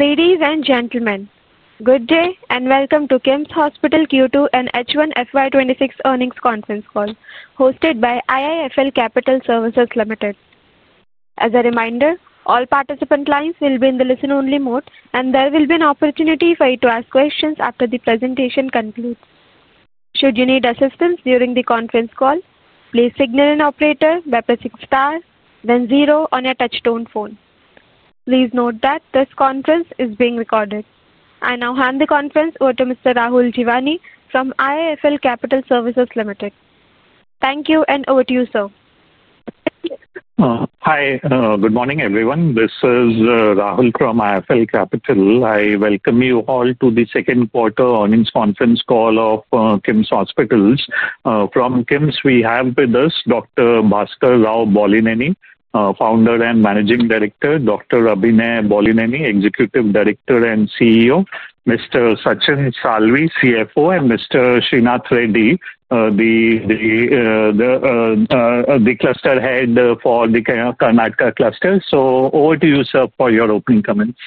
Ladies and gentlemen, good day and welcome to KIMS Hospital Q2 and H1 FY 26 earnings conference call, hosted by IIFL Capital Services Limited. As a reminder, all participant lines will be in the listen-only mode, and there will be an opportunity for you to ask questions after the presentation concludes. Should you need assistance during the conference call, please signal an operator by pressing star, then zero on your touch-tone phone. Please note that this conference is being recorded. I now hand the conference over to Mr. Rahul Jeewani from IIFL Capital Services Limited. Thank you, and over to you, sir. Hi, good morning, everyone. This is Rahul from IIFL Capital Services Limited. I welcome you all to the second quarter earnings conference call of Krishna Institute of Medical Sciences. From KIMS, we have with us Dr. Bhaskar Rao Bollineni, Founder and Managing Director; Dr. Abhinay Bollineni, Executive Director and CEO; Mr. Sachin Salvi, CFO; and Mr. Srinath Reddy, the Cluster Head for the Karnataka cluster. Over to you, sir, for your opening comments.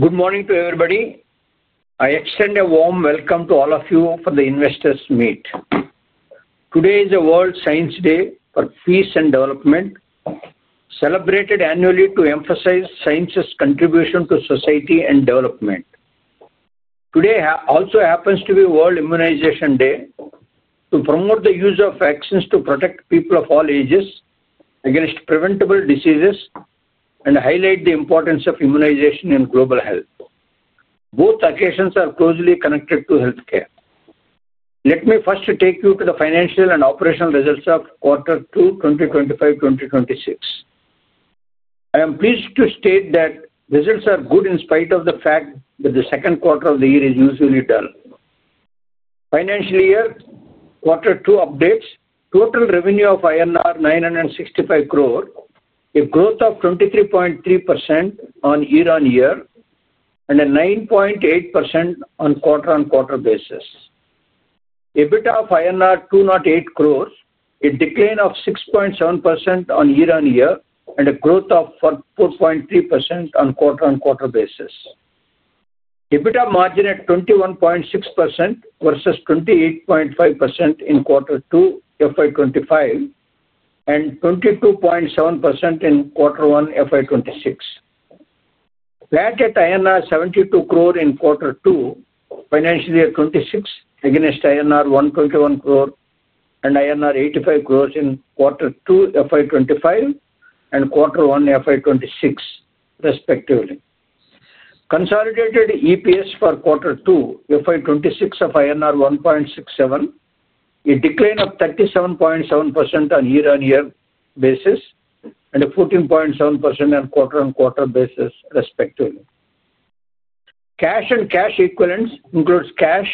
Good morning to everybody. I extend a warm welcome to all of you for the investors' meet. Today is World Science Day for Peace and Development, celebrated annually to emphasize science's contribution to society and development. Today also happens to be World Immunization Day, to promote the use of vaccines to protect people of all ages against preventable diseases and highlight the importance of immunization in global health. Both occasions are closely connected to healthcare. Let me first take you to the financial and operational results of Q2 2025-2026. I am pleased to state that results are good in spite of the fact that the second quarter of the year is usually done. Financial year Q2 updates: total revenue of INR 965 crore, a growth of 23.3% year-on-year, and 9.8% quarter-on-quarter. EBITDA of INR 208 crore, a decline of 6.7% on year-on-year, and a growth of 4.3% on quarter-on-quarter basis. EBITDA margin at 21.6% versus 28.5% in Q2 FY 2025 and 22.7% in Q1 FY 2026. Flat at INR 72 crore in Q2 financial year 2026 against INR 121 crore and INR 85 crore in Q2 FY 2025 and Q1 FY 2026, respectively. Consolidated EPS for Q2 FY 2026 of INR 1.67, a decline of 37.7% on year-on-year basis, and a 14.7% on quarter-on-quarter basis, respectively. Cash and cash equivalents includes cash,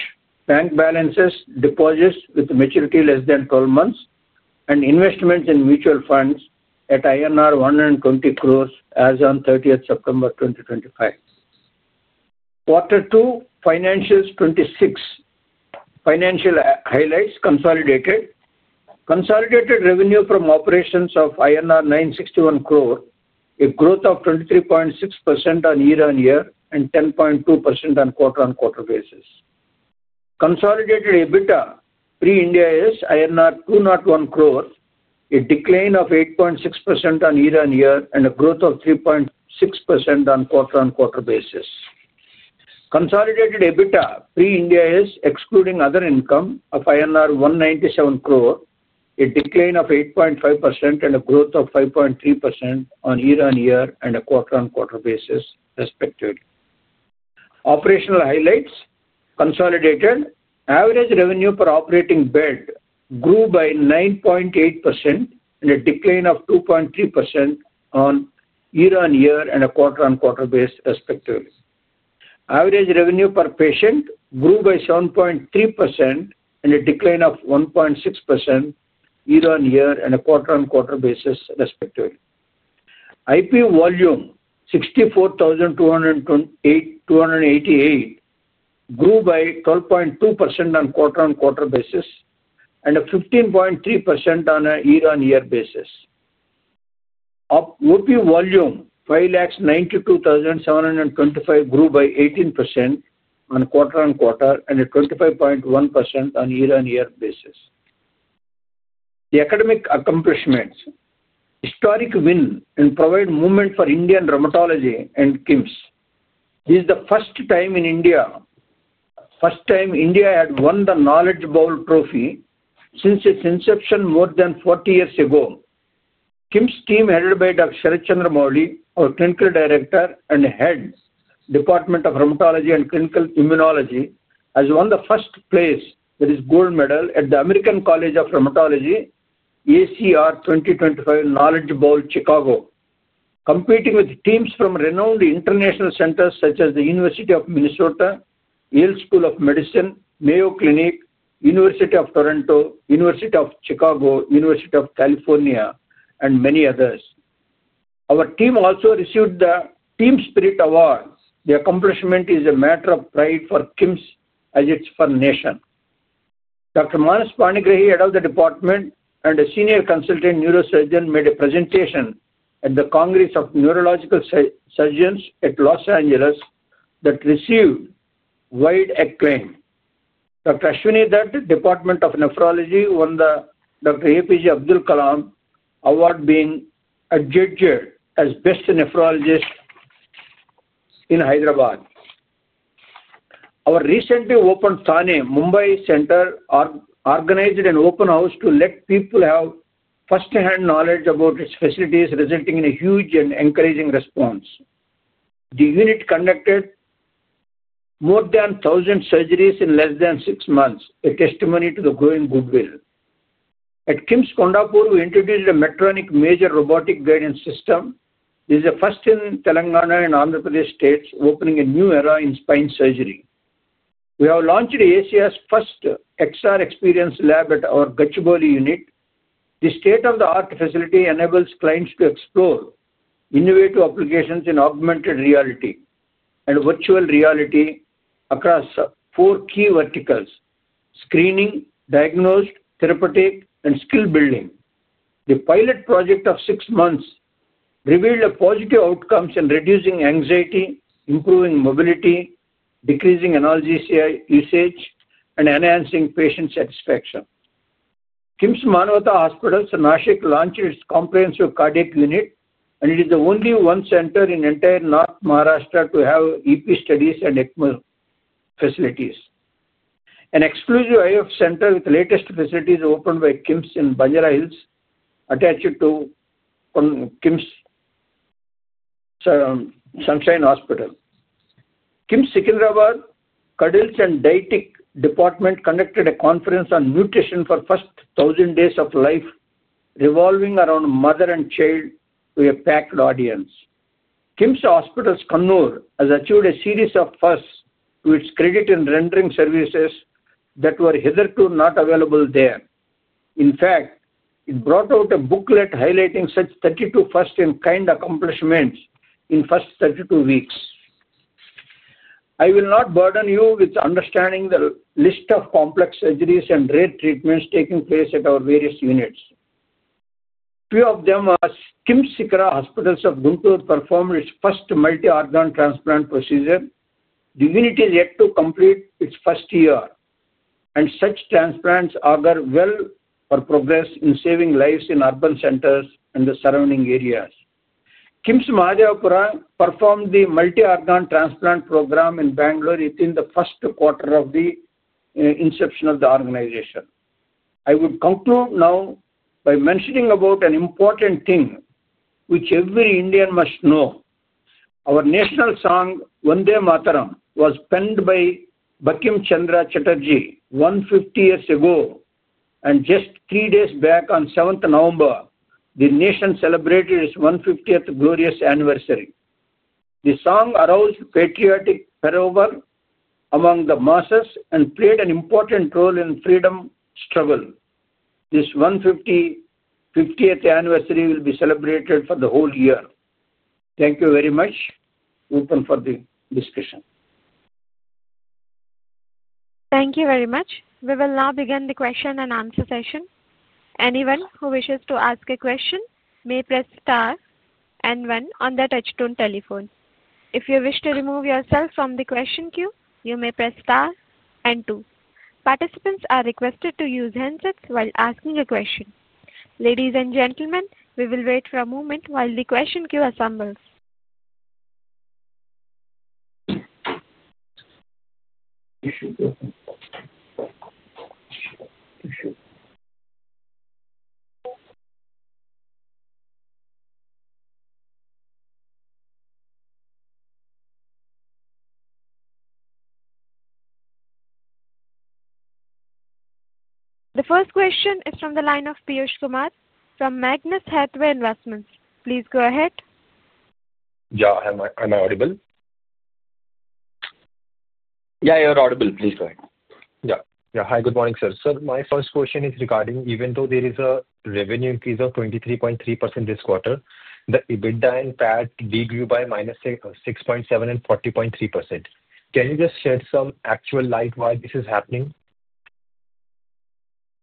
bank balances, deposits with maturity less than 12 months, and investments in mutual funds at INR 120 crore as of 30th September 2025. Q2 financials 2026 financial highlights consolidated: consolidated revenue from operations of INR 961 crore, a growth of 23.6% on year-on-year, and 10.2% on quarter-on-quarter basis. Consolidated EBITDA pre-Ind AS 201 crore, a decline of 8.6% year-on-year, and a growth of 3.6% quarter-on-quarter. Consolidated EBITDA pre-Ind AS, excluding other income, INR 197 crore, a decline of 8.5% and a growth of 5.3% year-on-year and quarter-on-quarter, respectively. Operational highlights consolidated: average revenue per operating bed grew by 9.8% and declined by 2.3% year-on-year and quarter-on-quarter, respectively. Average revenue per patient grew by 7.3% and declined by 1.6% year-on-year and quarter-on-quarter, respectively. IP volume 64,288 grew by 12.2% quarter-on-quarter and 15.3% year-on-year. OP volume 592,725 grew by 18% quarter-on-quarter and 25.1% year-on-year. The academic accomplishments historic win and provide movement for Indian rheumatology and KIMS. This is the first time in India, first time India had won the Knowledge Bowl Trophy since its inception more than 40 years ago. KIMS team headed by Dr. Sarath Chandra Mouli, our Clinical Director and Head Department of Rheumatology and Clinical Immunology, has won the first place, that is gold medal, at the American College of Rheumatology ACR 2025 Knowledge Bowl Chicago, competing with teams from renowned international centers such as the University of Minnesota, Yale School of Medicine, Mayo Clinic, University of Toronto, University of Chicago, University of California, and many others. Our team also received the Team Spirit Award. The accomplishment is a matter of pride for KIMS as its nation. Dr. Manas Panigrahi, Head of the Department and a Senior Consultant Neurosurgeon, made a presentation at the Congress of Neurological Surgeons at Los Angeles that received wide acclaim. Dr. Aswini Dutt, Department of Nephrology, won the Dr. A. P. J. Abdul Kalam Award being adjudged as best nephrologist in Hyderabad. Our recently opened Thane Mumbai Center organized an open house to let people have first-hand knowledge about its facilities, resulting in a huge and encouraging response. The unit conducted more than 1,000 surgeries in less than 6 months, a testimony to the growing goodwill. At KIMS Kondapur, we introduced a Medtronic Mazor Robotic Guidance System. This is the first in Telangana and Andhra Pradesh states, opening a new era in spine surgery. We have launched Asia's first XR experience lab at our Gachibowli unit. The state-of-the-art facility enables clients to explore innovative applications in augmented reality and virtual reality across four key verticals: screening, diagnosed, therapeutic, and skill building. The pilot project of 6 months revealed positive outcomes in reducing anxiety, improving mobility, decreasing analgesia usage, and enhancing patient satisfaction. KIMS Manavata Hospitals, Nashik, launched its comprehensive cardiac unit, and it is the only one center in entire North Maharashtra to have EP studies and ECMO facilities. An exclusive IVF center with the latest facilities opened by KIMS in Banjara Hills, attached to KIMS Sunshine Hospital. KIMS Secunderabad Cuddles and Dietetic Department conducted a conference on nutrition for the first 1,000 days of life, revolving around mother and child to a packed audience. KIMS Hospitals Kannur has achieved a series of firsts to its credit in rendering services that were hitherto not available there. In fact, it brought out a booklet highlighting such 32 first-in-kind accomplishments in the first 32 weeks. I will not burden you with understanding the list of complex surgeries and rare treatments taking place at our various units. Two of them are KIMS-SIKHARA Hospitals of Guntur, which performed its first multi-organ transplant procedure. The unit is yet to complete its first year, and such transplants are well for progress in saving lives in urban centers and the surrounding areas. KIMS Mahadevapura performed the multi-organ transplant program in Bangalore within the first quarter of the inception of the organization. I would conclude now by mentioning an important thing which every Indian must know. Our national song, "Vande Mataram," was penned by Bankim Chandra Chatterjee 150 years ago, and just three days back, on 7th November, the nation celebrated its 150th glorious anniversary. The song aroused patriotic fervor among the masses and played an important role in freedom struggle. This 150th anniversary will be celebrated for the whole year. Thank you very much. Open for the discussion. Thank you very much. We will now begin the question and answer session. Anyone who wishes to ask a question may press star and one on the touch-tone telephone. If you wish to remove yourself from the question queue, you may press star and two. Participants are requested to use handsets while asking a question. Ladies and gentlemen, we will wait for a moment while the question queue assembles. The first question is from the line of Piyush Kumar from Magnus Hathaway Investments. Please go ahead. Yeah, I'm audible. Yeah, you're audible. Please go ahead. Yeah. Yeah. Hi, good morning, sir. Sir, my first question is regarding even though there is a revenue increase of 23.3% this quarter, the EBITDA and PAT decrease by -6.7% and -40.3%. Can you just share some actual light why this is happening?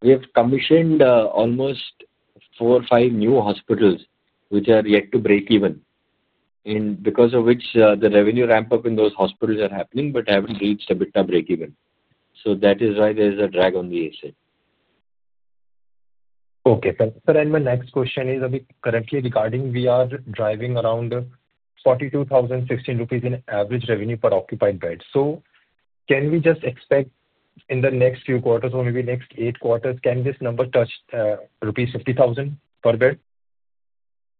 We have commissioned almost four or five new hospitals which are yet to break even, and because of which the revenue ramp-up in those hospitals is happening, but have not reached EBITDA break even. That is why there is a drag on the ASIN. Okay. Sir, and my next question is currently regarding we are driving around 42,016 rupees in average revenue per occupied bed. Can we just expect in the next few quarters or maybe next eight quarters, can this number touch rupees 50,000 per bed?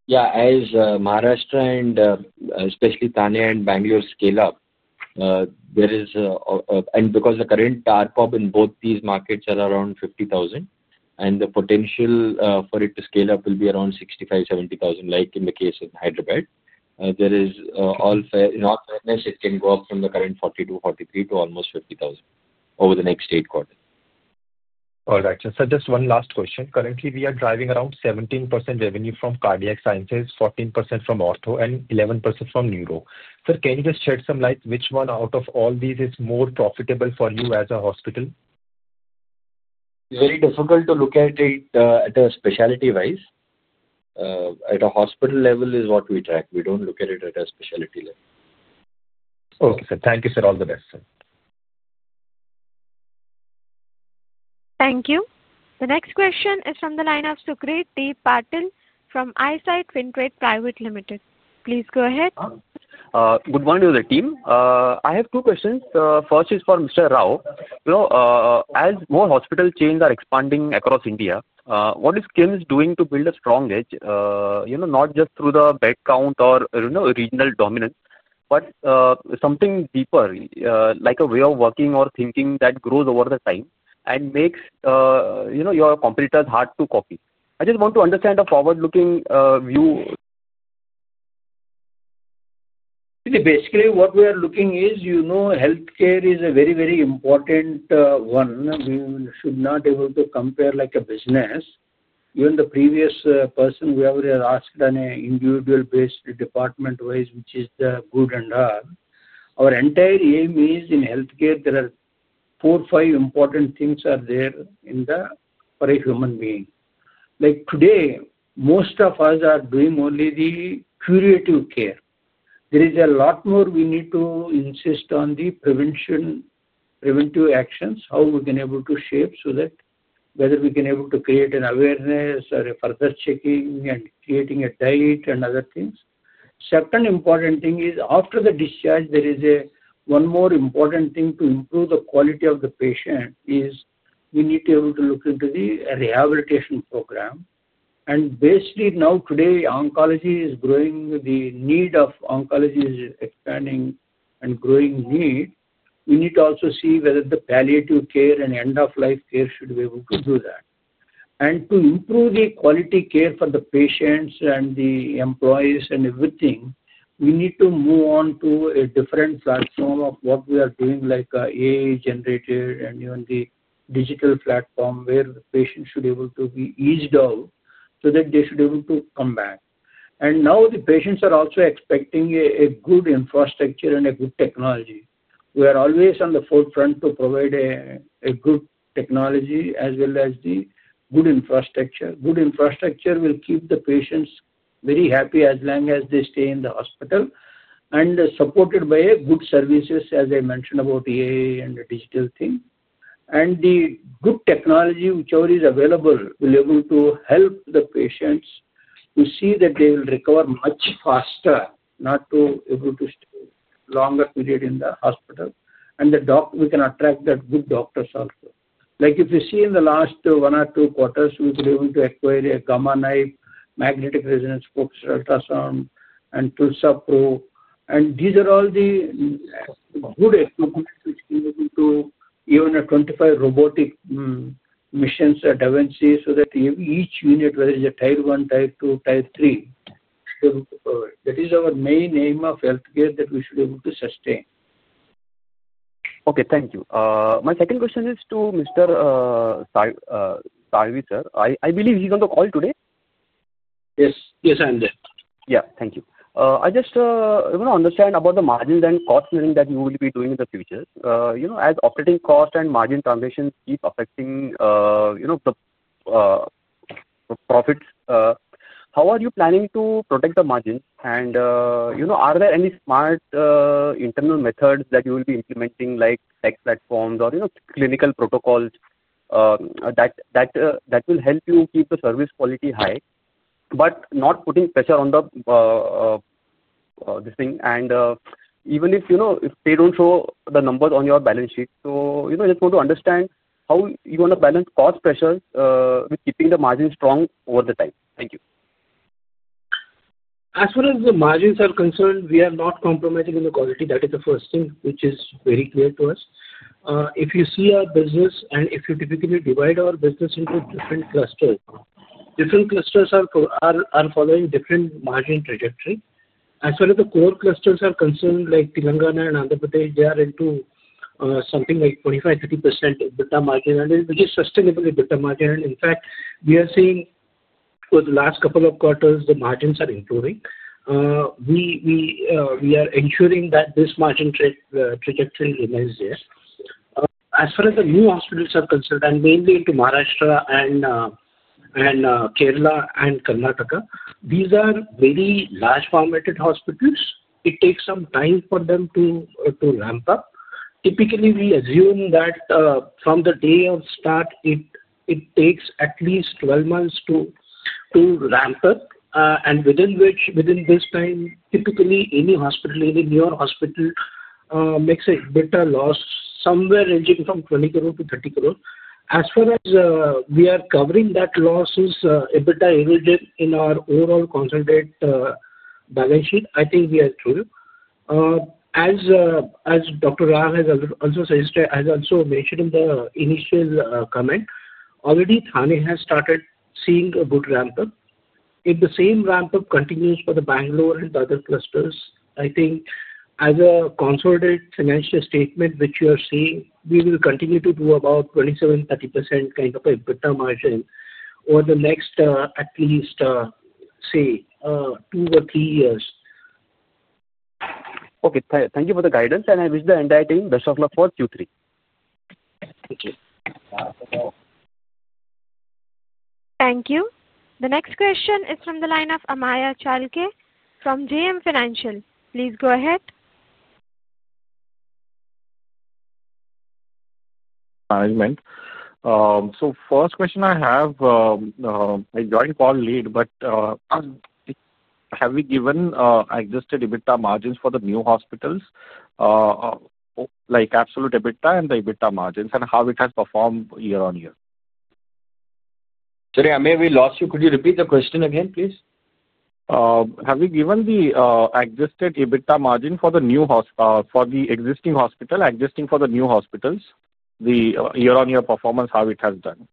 Yeah. As Maharashtra and especially Thane and Bangalore scale up, there is, and because the current ARPOB in both these markets are around 50,000, and the potential for it to scale up will be around 65,000-70,000, like in the case of Hyderabad. There is all fairness, it can go up from the current 42,000-43,000 to almost 50,000 over the next eight quarters. All right. Sir, just one last question. Currently, we are driving around 17% revenue from cardiac sciences, 14% from ortho, and 11% from neuro. Sir, can you just shed some light which one out of all these is more profitable for you as a hospital? It's very difficult to look at it at a specialty-wise. At a hospital level is what we track. We don't look at it at a specialty level. Okay, sir. Thank you, sir. All the best, sir. Thank you. The next question is from the line of Sucrit T. Patil from Eyesight Fintrade Private Limited. Please go ahead. Good morning to the team. I have two questions. First is for Mr. Rao. As more hospital chains are expanding across India, what is KIMS doing to build a strong edge, not just through the bed count or regional dominance, but something deeper, like a way of working or thinking that grows over the time and makes your competitors hard to copy? I just want to understand a forward-looking view. Basically, what we are looking is healthcare is a very, very important one. We should not be able to compare like a business. Even the previous person, we have asked an individual-based department-wise, which is the good and bad. Our entire aim is in healthcare, there are four, five important things that are there for a human being. Today, most of us are doing only the curative care. There is a lot more we need to insist on the preventive actions, how we can be able to shape so that whether we can be able to create an awareness or further checking and creating a diet and other things. Second important thing is after the discharge, there is one more important thing to improve the quality of the patient is we need to be able to look into the rehabilitation program. Basically now today, oncology is growing, the need of oncology is expanding and growing need. We need to also see whether the palliative care and end-of-life care should be able to do that. To improve the quality care for the patients and the employees and everything, we need to move on to a different platform of what we are doing, like AA generator and even the digital platform where the patient should be able to be eased out so that they should be able to come back. Now the patients are also expecting a good infrastructure and a good technology. We are always on the forefront to provide a good technology as well as the good infrastructure. Good infrastructure will keep the patients very happy as long as they stay in the hospital and supported by good services, as I mentioned about AA and digital thing. The good technology, whichever is available, will be able to help the patients to see that they will recover much faster, not to be able to stay longer period in the hospital. We can attract that good doctors also. Like if you see in the last one or two quarters, we were able to acquire a Gamma Knife, Magnetic Resonance-Focused Ultrasound, and TULSA-PRO. These are all the good equipment which can be able to even a 25 robotic missions with da Vinci so that each unit, whether it's a Type 1, Type 2, Type 3, that is our main aim of healthcare that we should be able to sustain. Okay, thank you. My second question is to Mr. Salvi, sir. I believe he's on the call today. Yes. Yes, I'm there. Yeah, thank you. I just want to understand about the margins and cost measuring that you will be doing in the future. As operating cost and margin transactions keep affecting the profits, how are you planning to protect the margins? Are there any smart internal methods that you will be implementing, like tech platforms or clinical protocols that will help you keep the service quality high but not putting pressure on the thing? Even if they do not show the numbers on your balance sheet, I just want to understand how you want to balance cost pressures with keeping the margins strong over the time. Thank you. As far as the margins are concerned, we are not compromising on the quality. That is the first thing, which is very clear to us. If you see our business and if you typically divide our business into different clusters, different clusters are following different margin trajectory. As far as the core clusters are concerned, like Telangana and Andhra Pradesh, they are into something like 25-30% EBITDA margin, which is sustainable EBITDA margin. In fact, we are seeing for the last couple of quarters, the margins are improving. We are ensuring that this margin trajectory remains there. As far as the new hospitals are concerned, and mainly into Maharashtra and Kerala and Karnataka, these are very large formatted hospitals. It takes some time for them to ramp up. Typically, we assume that from the day of start, it takes at least 12 months to ramp up. Within this time, typically any hospital, any newer hospital makes an EBITDA loss somewhere ranging from 20 crore-30 crore. As far as we are covering that loss of EBITDA in our overall consolidated balance sheet, I think we are through. As Dr. Rao has also mentioned in the initial comment, already Thane has started seeing a good ramp-up. If the same ramp-up continues for the Bangalore and other clusters, I think as a consolidated financial statement, which you are seeing, we will continue to do about 27%-30% kind of an EBITDA margin over the next at least, say, 2 or 3 years. Okay. Thank you for the guidance, and I wish the entire team best of luck for Q3. Thank you. Thank you. The next question is from the line of Amey Chalke from JM Financial. Please go ahead. Management. First question I have, I joined call late, but have we given existing EBITDA margins for the new hospitals, like absolute EBITDA and the EBITDA margins, and how it has performed year-on-year? Sorry, Amey, we lost you. Could you repeat the question again, please? Have we given the existing EBITDA margin for the existing hospitals, for the new hospitals, the year-on-year performance, how it has done?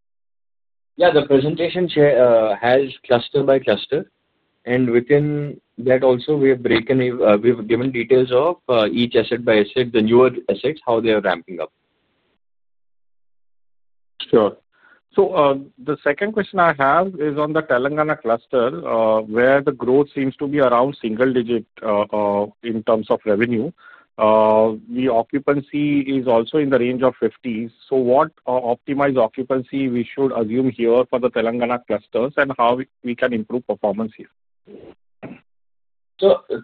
Yeah, the presentation has cluster-by-cluster. Within that also, we have given details of each asset by asset, the newer assets, how they are ramping up. Sure. The second question I have is on the Telangana cluster, where the growth seems to be around single-digit in terms of revenue. The occupancy is also in the range of 50s. What optimized occupancy should we assume here for the Telangana clusters and how can we improve performance here?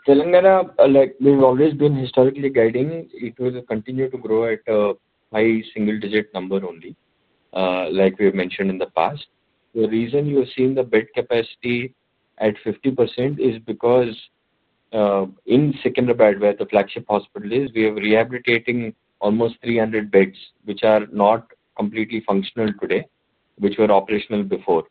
Telangana, we've always been historically guiding. It will continue to grow at a high single-digit number only, like we have mentioned in the past. The reason you have seen the bed capacity at 50% is because in Secunderabad, where the flagship hospital is, we are rehabilitating almost 300 beds, which are not completely functional today, which were operational before.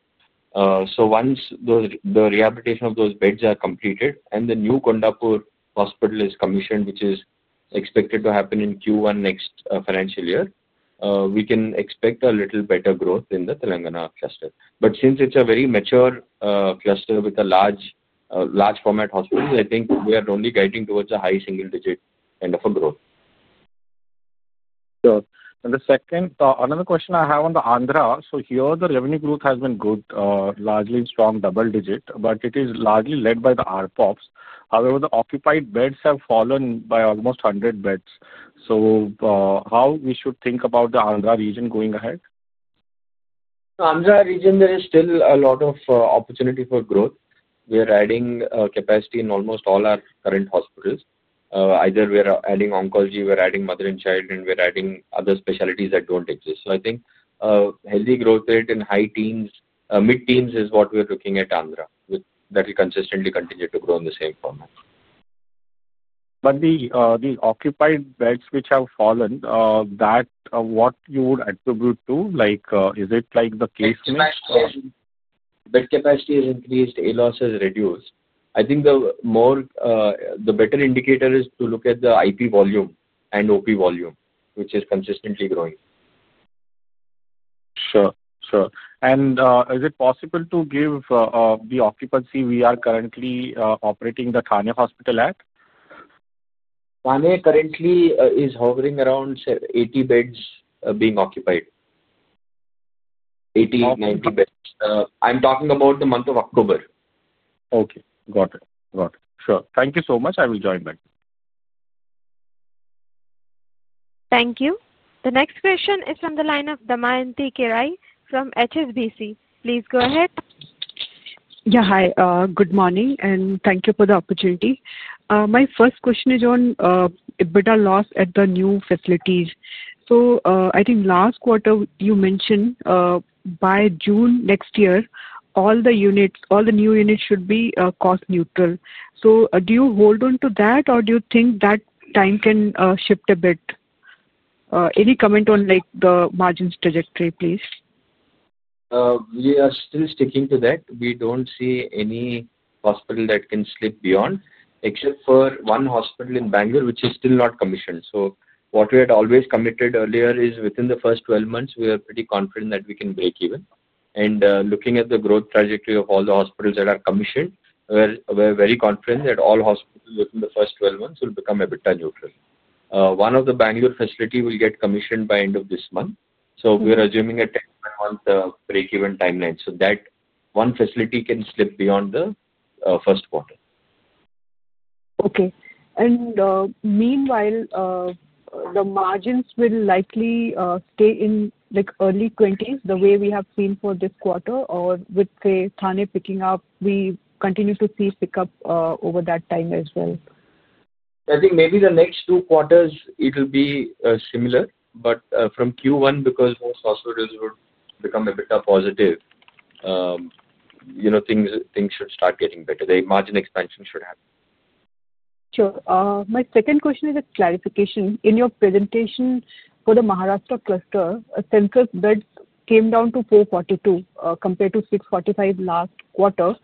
Once the rehabilitation of those beds is completed and the new Kondapur hospital is commissioned, which is expected to happen in Q1 next financial year, we can expect a little better growth in the Telangana cluster. Since it's a very mature cluster with a large format hospital, I think we are only guiding towards a high single-digit kind of a growth. Sure. The second, another question I have on the Andhra. Here, the revenue growth has been good, largely strong double digit, but it is largely led by the ARPOBs. However, the occupied beds have fallen by almost 100 beds. How should we think about the Andhra region going ahead? Andhra region, there is still a lot of opportunity for growth. We are adding capacity in almost all our current hospitals. Either we are adding oncology, we are adding mother and child, and we are adding other specialties that do not exist. I think healthy growth rate and high teens, mid-teens is what we are looking at Andhra that will consistently continue to grow in the same format. The occupied beds which have fallen, that what you would attribute to? Is it like the case? Bed capacity has increased. A loss has reduced. I think the better indicator is to look at the IP volume and OP volume, which is consistently growing. Sure. Sure. Is it possible to give the occupancy we are currently operating the Thane Hospital at? Thane currently is hovering around 80 beds being occupied. 80-90 beds. I'm talking about the month of October. Okay. Got it. Got it. Sure. Thank you so much. I will join back. Thank you. The next question is from the line of Damayanti Kerai from HSBC. Please go ahead. Yeah, hi. Good morning, and thank you for the opportunity. My first question is on EBITDA loss at the new facilities. I think last quarter, you mentioned by June next year, all the new units should be cost-neutral. Do you hold on to that, or do you think that time can shift a bit? Any comment on the margins trajectory, please? We are still sticking to that. We don't see any hospital that can slip beyond, except for one hospital in Bangalore, which is still not commissioned. What we had always committed earlier is within the first 12 months, we are pretty confident that we can break even. Looking at the growth trajectory of all the hospitals that are commissioned, we're very confident that all hospitals within the first 12 months will become EBITDA neutral. One of the Bangalore facilities will get commissioned by end of this month. We're assuming a 10-month break-even timeline so that one facility can slip beyond the first quarter. Okay. Meanwhile, the margins will likely stay in early 20s the way we have seen for this quarter, or with Thane picking up, we continue to see pickup over that time as well? I think maybe the next two quarters, it will be similar. From Q1, because most hospitals would become EBITDA positive, things should start getting better. The margin expansion should happen. Sure. My second question is a clarification. In your presentation for the Maharashtra cluster, a census bed came down to 442 compared to 645 last quarter.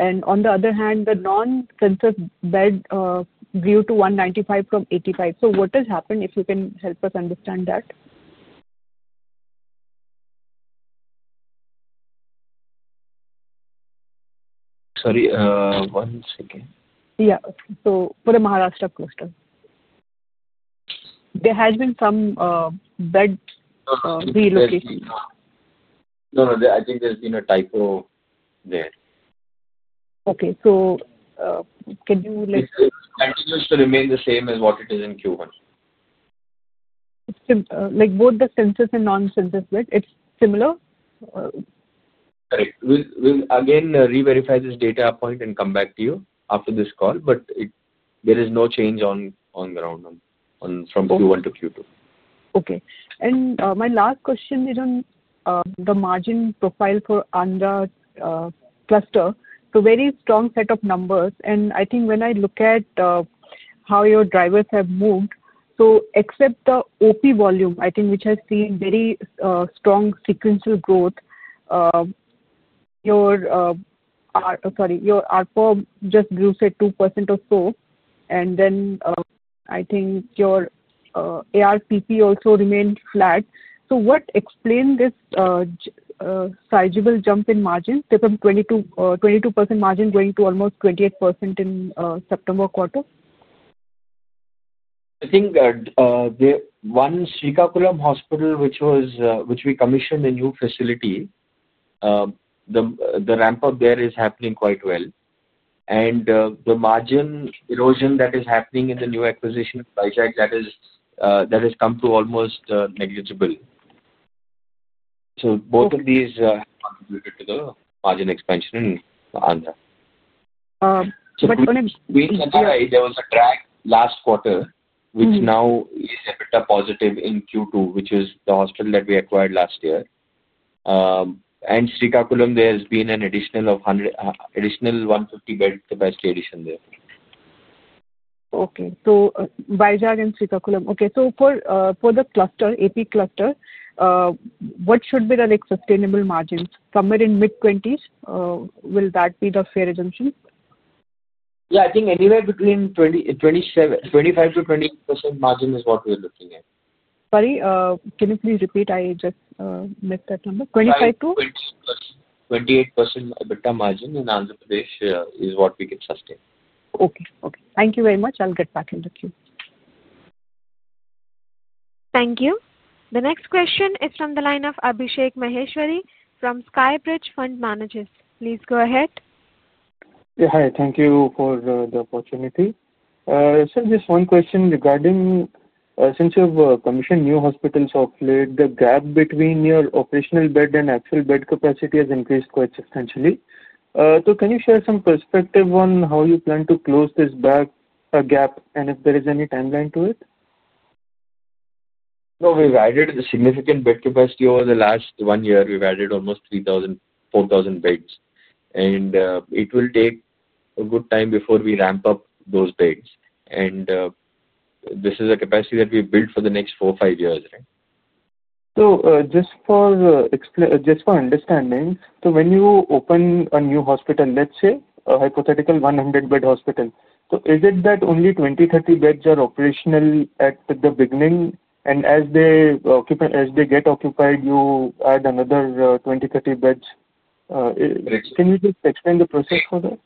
In contrast, the non-census bed grew to 195 from 85. What has happened? If you can help us understand that. Sorry, one second. Yeah. For the Maharashtra cluster, there has been some bed relocation. No, no, I think there's been a typo there. Okay. So can you? It continues to remain the same as what it is in Q1. Like both the census and non-census bed, it's similar? Correct. We'll again re-verify this data point and come back to you after this call, but there is no change on the ground from Q1 to Q2. Okay. My last question, the margin profile for Andhra cluster, very strong set of numbers. I think when I look at how your drivers have moved, except the OP volume, which has seen very strong sequential growth, your ARPOB just grew, say, 2% or so. I think your ARPP also remained flat. What explained this sizable jump in margins, 22% margin going to almost 28% in September quarter? I think once Srikakulam Hospital, which we commissioned a new facility, the ramp-up there is happening quite well. The margin erosion that is happening in the new acquisition project, that has come to almost negligible. Both of these contributed to the margin expansion in Andhra. When I— We can see there was a drag last quarter, which now is EBITDA-positive in Q2, which is the hospital that we acquired last year. In Srikakulam, there has been an additional 150 bed capacity addition there. Okay. So Vizag and Srikakulam. Okay. So for the cluster, AP cluster, what should be the sustainable margins? Somewhere in mid 20s? Will that be the fair assumption? Yeah, I think anywhere between 25%-28% margin is what we're looking at. Sorry, can you please repeat? I just missed that number. Twenty-five to? Twenty-eight percent EBITDA margin in Andhra Pradesh is what we can sustain. Okay. Okay. Thank you very much. I'll get back into Q. Thank you. The next question is from the line of Abhishek Maheshwari from Skyridge Fund Managers. Please go ahead. Yeah, hi. Thank you for the opportunity. Just one question regarding since you've commissioned new hospitals of late, the gap between your operational bed and actual bed capacity has increased quite substantially. Can you share some perspective on how you plan to close this gap and if there is any timeline to it? No, we've added significant bed capacity over the last one year. We've added almost 3,000-4,000 beds. It will take a good time before we ramp up those beds. This is a capacity that we build for the next 4-5 years, right? Just for understanding, when you open a new hospital, let's say a hypothetical 100-bed hospital, is it that only 20-30 beds are operational at the beginning? As they get occupied, you add another 20-30 beds. Can you just explain the process for that?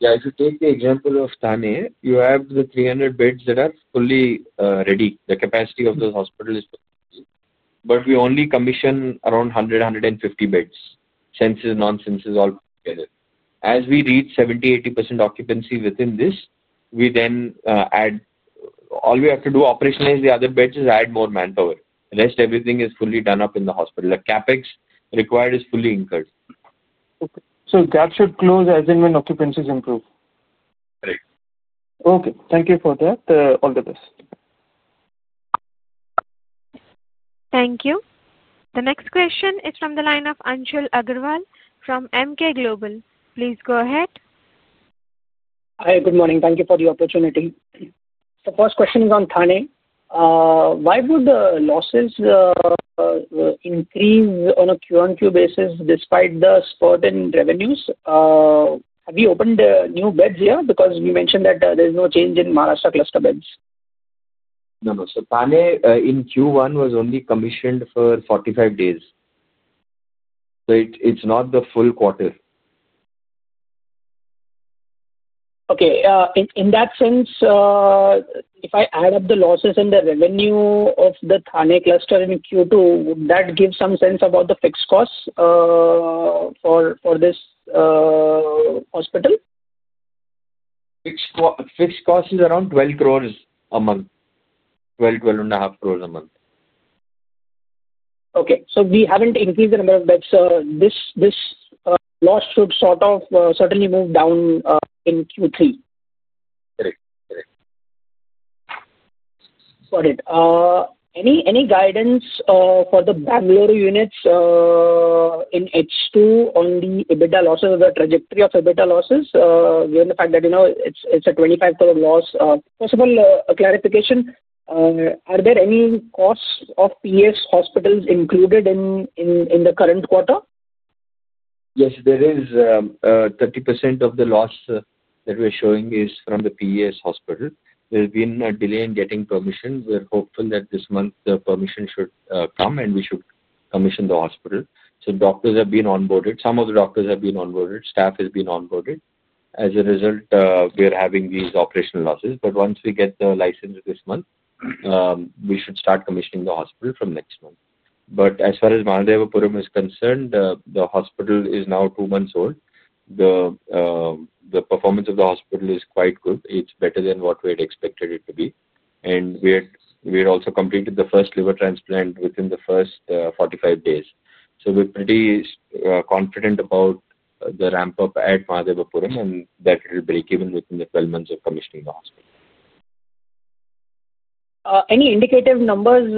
Yeah. If you take the example of Thane, you have the 300 beds that are fully ready. The capacity of the hospital is fully ready. But we only commission around 100-150 beds, census and nonsenses all together. As we reach 70-80% occupancy within this, we then add all we have to do to operationalize the other beds is add more manpower. Rest, everything is fully done up in the hospital. The CapEx required is fully incurred. Okay. So that should close as and when occupancies improve? Correct. Okay. Thank you for that. All the best. Thank you. The next question is from the line of Anshul Agrawal from Emkay Global. Please go ahead. Hi, good morning. Thank you for the opportunity. The first question is on Thane. Why would the losses increase on a Q1, Q2 basis despite the spurt in revenues? Have you opened new beds here? Because you mentioned that there is no change in Maharashtra cluster beds. No, no. Thane in Q1 was only commissioned for 45 days. It is not the full quarter. Okay. In that sense, if I add up the losses and the revenue of the Thane cluster in Q2, would that give some sense about the fixed costs for this hospital? Fixed cost is around 12 crore a month, 12-12.5 crore a month. Okay. We haven't increased the number of beds. This loss should sort of certainly move down in Q3. Correct. Correct. Got it. Any guidance for the Bangalore units in H2 on the EBITDA losses or the trajectory of EBITDA losses given the fact that it is a 25 crore loss? First of all, a clarification. Are there any costs of PES Hospitals included in the current quarter? Yes, there is. Thirty percent of the loss that we are showing is from the PES hospital. There has been a delay in getting permission. We're hopeful that this month the permission should come and we should commission the hospital. So doctors have been onboarded. Some of the doctors have been onboarded. Staff has been onboarded. As a result, we are having these operational losses. Once we get the license this month, we should start commissioning the hospital from next month. As far as Mahadevapura is concerned, the hospital is now 2 months old. The performance of the hospital is quite good. It's better than what we had expected it to be. We had also completed the first liver transplant within the first 45 days. We're pretty confident about the ramp-up at Mahadevapura and that it will break even within the 12 months of commissioning the hospital. Any indicative numbers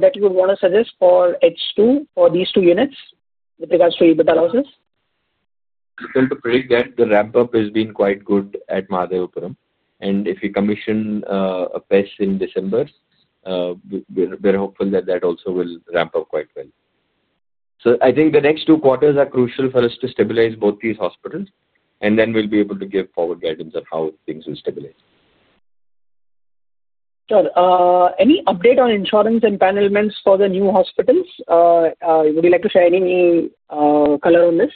that you would want to suggest for H2 for these two units with regards to EBITDA losses? I tend to predict that the ramp-up has been quite good at Mahadevapura. If we commission PES in December, we're hopeful that that also will ramp up quite well. I think the next two quarters are crucial for us to stabilize both these hospitals. Then we'll be able to give forward guidance of how things will stabilize. Sure. Any update on insurance and panelments for the new hospitals? Would you like to share any color on this?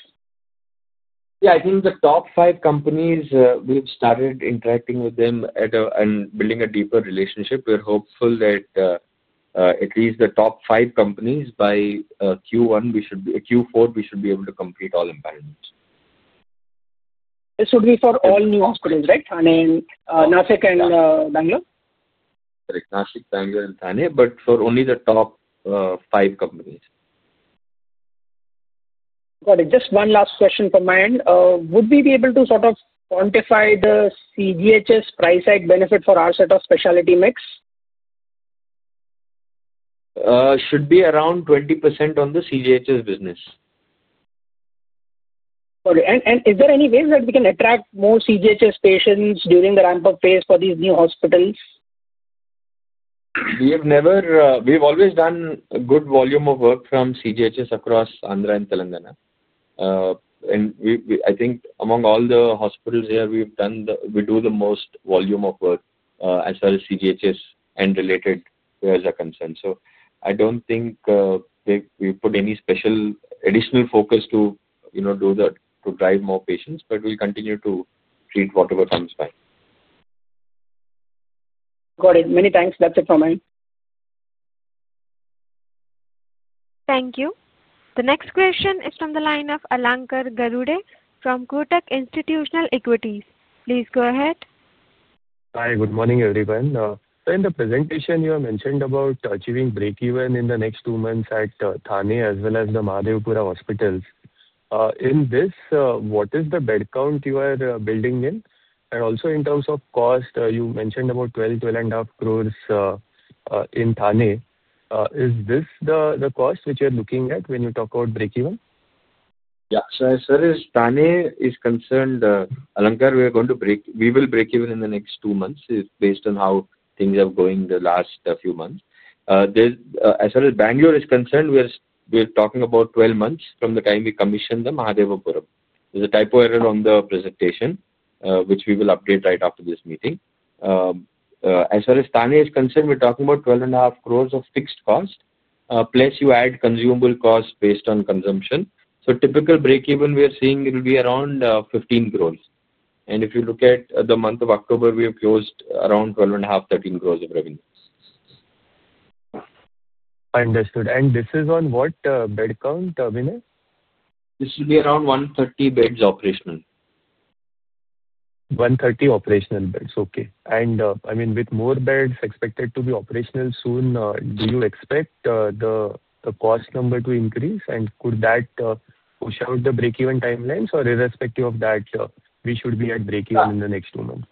Yeah. I think the top five companies, we've started interacting with them and building a deeper relationship. We're hopeful that at least the top five companies by Q1, Q4, we should be able to complete all empanelments. It will be for all new hospitals, right? Thane, Nashik, and Bangalore? Correct. Nashik, Bangalore, and Thane, but for only the top five companies. Got it. Just one last question from my end. Would we be able to sort of quantify the CGHS price side benefit for our set of specialty mix? Should be around 20% on the CGHS business. Got it. Is there any way that we can attract more CGHS patients during the ramp-up phase for these new hospitals? We've always done a good volume of work from CGHS across Andhra and Telangana. I think among all the hospitals here, we do the most volume of work as far as CGHS and related, whereas the concern. I do not think we put any special additional focus to drive more patients, but we'll continue to treat whatever comes by. Got it. Many thanks. That's it from me. Thank you. The next question is from the line of Alankar Garude from Kotak Institutional Equities. Please go ahead. Hi, good morning, everyone. In the presentation, you have mentioned about achieving break even in the next two months at Thane as well as the Mahadevapura hospitals. In this, what is the bed count you are building in? Also, in terms of cost, you mentioned about 12 crore-12.5 crore in Thane. Is this the cost which you're looking at when you talk about break even? Yeah. As far as Thane is concerned, Alankar, we are going to break even in the next two months based on how things are going the last few months. As far as Bangalore is concerned, we're talking about 12 months from the time we commissioned the Mahadevapura. There's a typo error on the presentation, which we will update right after this meeting. As far as Thane is concerned, we're talking about 12.5 crore of fixed cost, plus you add consumable costs based on consumption. Typical break even we are seeing will be around 15 crore. If you look at the month of October, we have closed around 12.5-13 crore of revenue. Understood. And this is on what bed count, Abhinay? This will be around 130 beds operational. 130 operational beds. Okay. I mean, with more beds expected to be operational soon, do you expect the cost number to increase? Could that push out the break even timelines? Irrespective of that, we should be at break even in the next two months?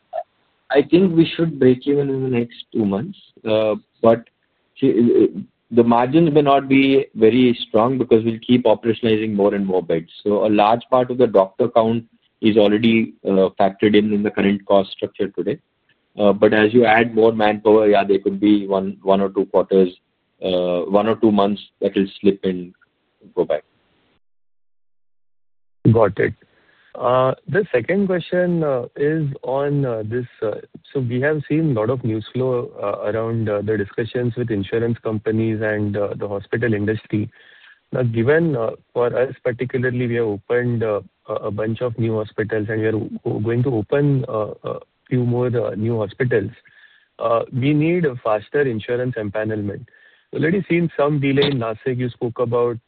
I think we should break even in the next 2 months. The margin may not be very strong because we'll keep operationalizing more and more beds. A large part of the doctor count is already factored in in the current cost structure today. As you add more manpower, yeah, there could be one or two quarters, one or two months that will slip and go by. Got it. The second question is on this. We have seen a lot of news flow around the discussions with insurance companies and the hospital industry. Now, given for us particularly, we have opened a bunch of new hospitals and we are going to open a few more new hospitals. We need faster insurance empanelment. Let me see, in some delay in Nashik, you spoke about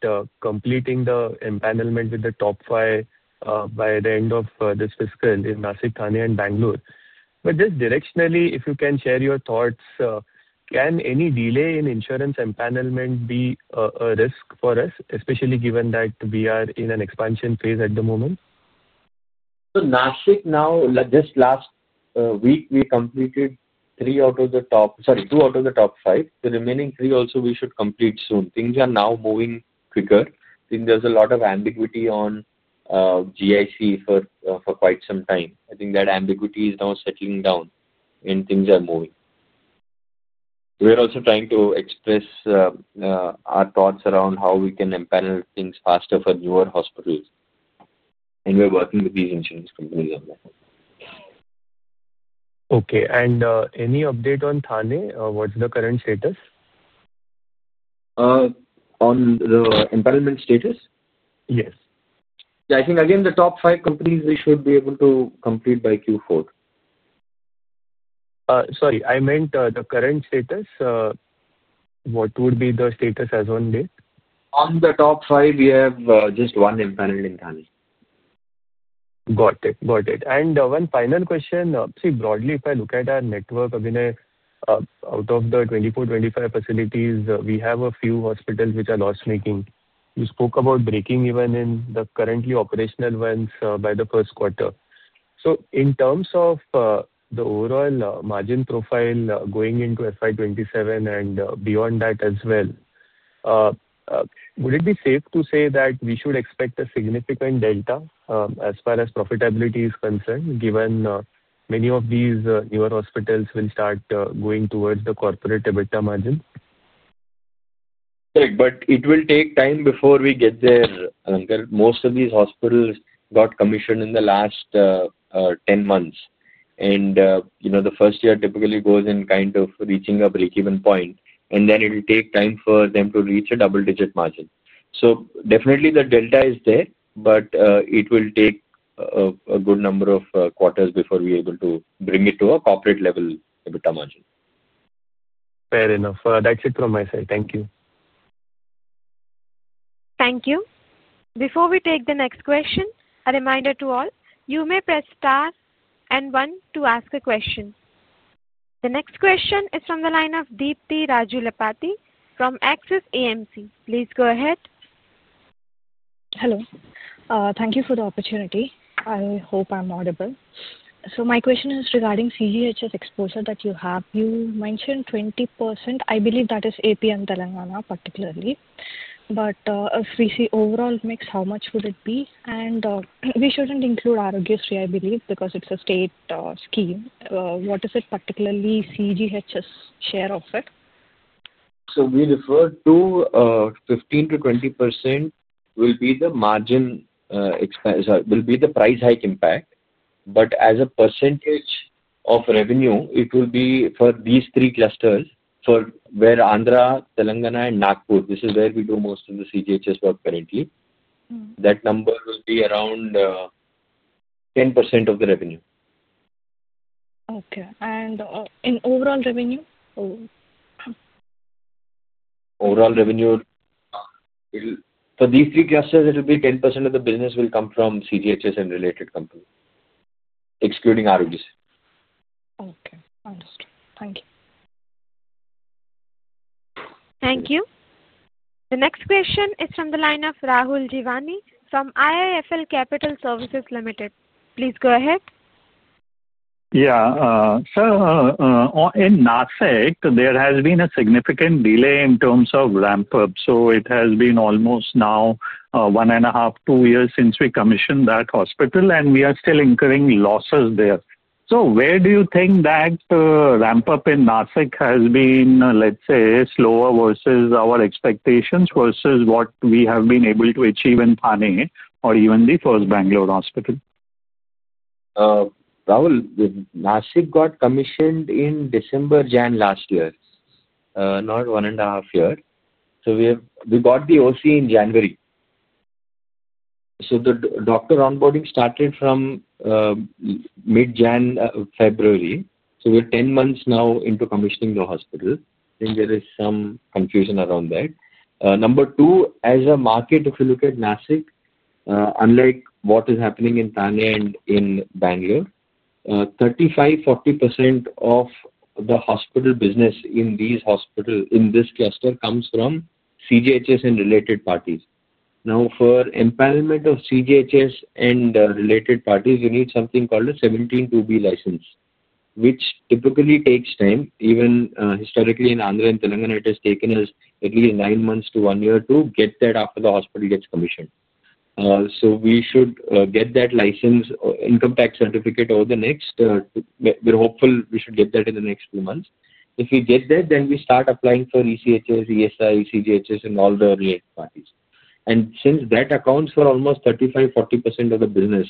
completing the empanelment with the top five by the end of this fiscal in Nashik, Thane, and Bangalore. Just directionally, if you can share your thoughts, can any delay in insurance empanelment be a risk for us, especially given that we are in an expansion phase at the moment? Nashik now, just last week, we completed two out of the top five. The remaining three also we should complete soon. Things are now moving quicker. I think there's a lot of ambiguity on GIC for quite some time. I think that ambiguity is now settling down and things are moving. We're also trying to express our thoughts around how we can empanel things faster for newer hospitals. We're working with these insurance companies on that. Okay. Any update on Thane? What's the current status? On the empanelment status? Yes. Yeah. I think, again, the top five companies we should be able to complete by Q4. Sorry. I meant the current status. What would be the status as on date? On the top five, we have just one empaneled in Thane. Got it. Got it. One final question. See, broadly, if I look at our network, Abhinay, out of the 24-25 facilities, we have a few hospitals which are loss-making. You spoke about breaking even in the currently operational ones by the first quarter. In terms of the overall margin profile going into FY 2027 and beyond that as well, would it be safe to say that we should expect a significant delta as far as profitability is concerned given many of these newer hospitals will start going towards the corporate EBITDA margin? Correct. It will take time before we get there. Most of these hospitals got commissioned in the last 10 months. The first year typically goes in kind of reaching a break even point. It will take time for them to reach a double-digit margin. Definitely the delta is there, but it will take a good number of quarters before we are able to bring it to a corporate-level EBITDA margin. Fair enough. That's it from my side. Thank you. Thank you. Before we take the next question, a reminder to all, you may press star and one to ask a question. The next question is from the line of Deepthi Rajulapati from Axis AMC. Please go ahead. Hello. Thank you for the opportunity. I hope I'm audible. My question is regarding CGHS exposure that you have. You mentioned 20%. I believe that is AP and Telangana particularly. If we see overall mix, how much would it be? We should not include Aarogyasri, I believe, because it is a state scheme. What is the particular CGHS share of it? We refer to 15%-20% will be the margin, sorry, will be the price hike impact. But as a percentage of revenue, it will be for these three clusters where Andhra, Telangana, and Nagpur. This is where we do most of the CGHS work currently. That number will be around 10% of the revenue. Okay. In overall revenue? Overall revenue, for these three clusters, it will be 10% of the business will come from CGHS and related companies, excluding Aarogyasri. Okay. Understood. Thank you. Thank you. The next question is from the line of Rahul Jeewani from IIFL Capital Services Limited. Please go ahead. Yeah. In Nashik, there has been a significant delay in terms of ramp-up. It has been almost now 1.5, 2 years since we commissioned that hospital, and we are still incurring losses there. Where do you think that ramp-up in Nashik has been, let's say, slower versus our expectations versus what we have been able to achieve in Thane or even the first Bangalore hospital? Rahul, Nashik got commissioned in December, January last year, not 1.5 years. We got the OC in January. The doctor onboarding started from mid-January, February. We are 10 months now into commissioning the hospital. I think there is some confusion around that. Number two, as a market, if you look at Nashik, unlike what is happening in Thane and in Bangalore, 35%-40% of the hospital business in this cluster comes from CGHS and related parties. Now, for empanelment of CGHS and related parties, you need something called a 17-2B license, which typically takes time. Even historically in Andhra Pradesh and Telangana, it has taken us at least 9 months to 1 year to get that after the hospital gets commissioned. We should get that license, income tax certificate over the next—we are hopeful we should get that in the next few months. If we get that, then we start applying for ECHS, ESI, CGHS, and all the related parties. Since that accounts for almost 35-40% of the business,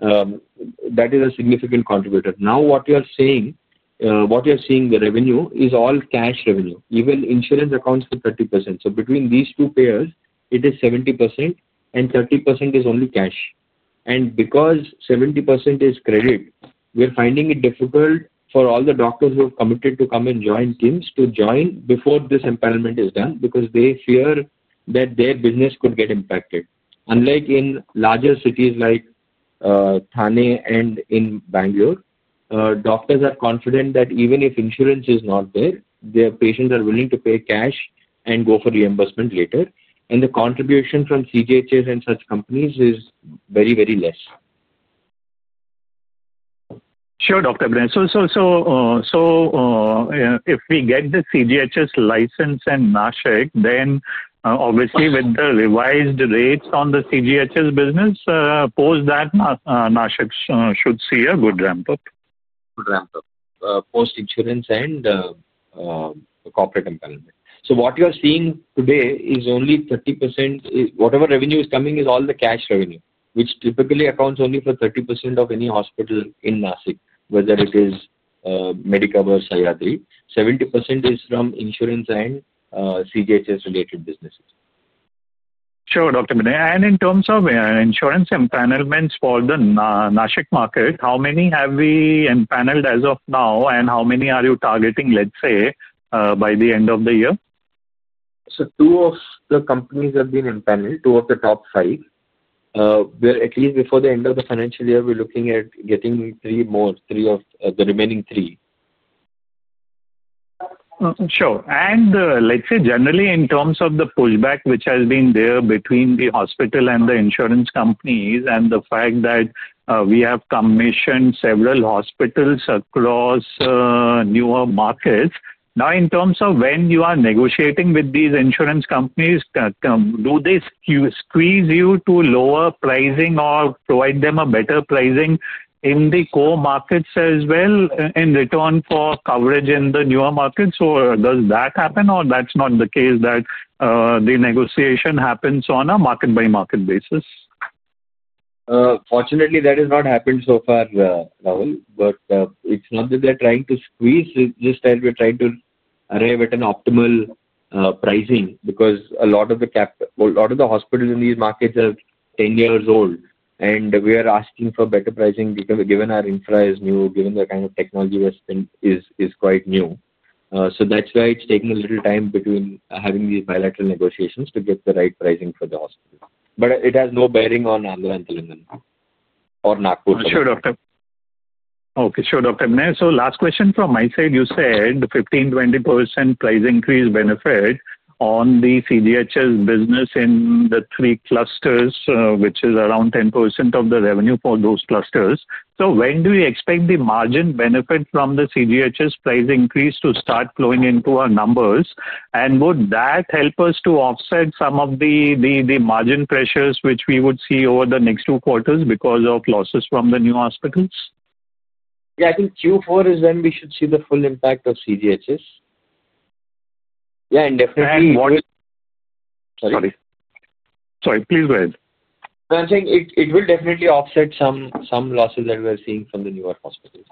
that is a significant contributor. Now, what you are seeing, what you are seeing the revenue is all cash revenue. Even insurance accounts for 30%. Between these two payers, it is 70%, and 30% is only cash. Because 70% is credit, we're finding it difficult for all the doctors who are committed to come and join teams to join before this empanelment is done because they fear that their business could get impacted. Unlike in larger cities like Thane and in Bangalore, doctors are confident that even if insurance is not there, their patients are willing to pay cash and go for reimbursement later. The contribution from CGHS and such companies is very, very less. Sure, Dr. Abhinay. If we get the CGHS license in Nashik, then obviously with the revised rates on the CGHS business, post that, Nashik should see a good ramp-up. Good ramp-up. Post insurance and corporate empanelment. What you are seeing today is only 30%. Whatever revenue is coming is all the cash revenue, which typically accounts only for 30% of any hospital in Nashik, whether it is Medicover or Sahyadri. 70% is from insurance and CGHS-related businesses. Sure, Dr. Abhinay. In terms of insurance empanelment for the Nashik market, how many have we empaneled as of now, and how many are you targeting, let's say, by the end of the year? Two of the companies have been empaneled, two of the top five. At least before the end of the financial year, we're looking at getting three more, three of the remaining three. Sure. Generally, in terms of the pushback which has been there between the hospital and the insurance companies and the fact that we have commissioned several hospitals across newer markets. Now, in terms of when you are negotiating with these insurance companies, do they squeeze you to lower pricing or provide them a better pricing in the core markets as well in return for coverage in the newer markets? Does that happen or that's not the case, that the negotiation happens on a market-by-market basis? Fortunately, that has not happened so far, Rahul. It is not that they are trying to squeeze. It is just that we are trying to arrive at an optimal pricing because a lot of the hospitals in these markets are 10 years old. We are asking for better pricing given our infrastructure is new, given the kind of technology is quite new. That is why it has taken a little time between having these bilateral negotiations to get the right pricing for the hospital. It has no bearing on Andhra and Telangana or Nagpur. Sure, Dr. Okay. Sure, Dr. Abhinay. Last question from my side. You said 15%-20% price increase benefit on the CGHS business in the three clusters, which is around 10% of the revenue for those clusters. When do we expect the margin benefit from the CGHS price increase to start flowing into our numbers? Would that help us to offset some of the margin pressures which we would see over the next two quarters because of losses from the new hospitals? Yeah. I think Q4 is when we should see the full impact of CGHS. Yeah. Definitely. And what? Sorry. Sorry. Please go ahead. I am saying it will definitely offset some losses that we are seeing from the newer hospitals.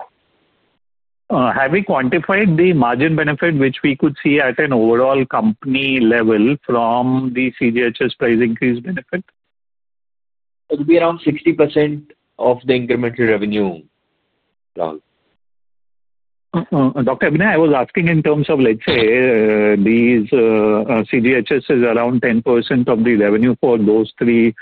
Have we quantified the margin benefit which we could see at an overall company level from the CGHS price increase benefit? It will be around 60% of the incremental revenue, Rahul. Dr. Abhinay, I was asking in terms of, let's say, these CGHS is around 10% of the revenue for those three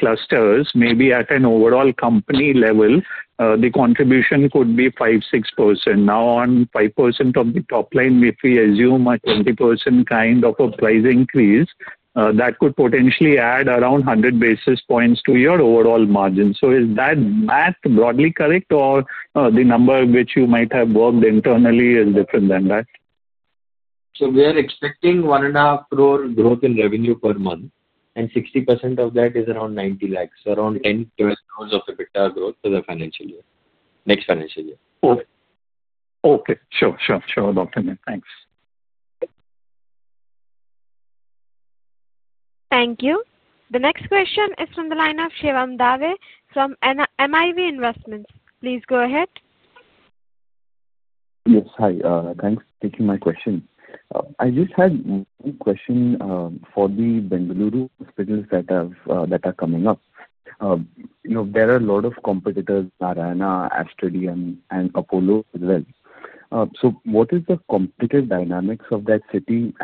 clusters. Maybe at an overall company level, the contribution could be 5%-6%. Now, on 5% of the top line, if we assume a 20% kind of a price increase, that could potentially add around 100 basis points to your overall margin. Is that math broadly correct or the number which you might have worked internally is different than that? We are expecting 15 million growth in revenue per month. 60% of that is around 9 million. Around 100 million-120 million of EBITDA growth for the financial year, next financial year. Okay. Sure. Sure. Sure, Dr. Abhinay. Thanks. Thank you. The next question is from the line of Shivam Dave from MIV Investments. Please go ahead. Yes. Hi. Thanks for taking my question. I just had one question for the Bengaluru hospitals that are coming up. There are a lot of competitors, Narayana, Aster DM, and Apollo as well. What is the competitive dynamics of that city?